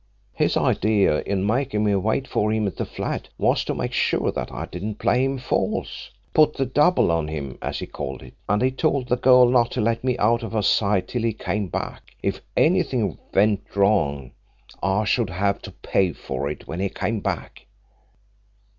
His idea in making me wait for him at the flat was to make sure that I didn't play him false put the double on him, as he called it and he told the girl not to let me out of her sight till he came back, if anything went wrong I should have to pay for it when he came back.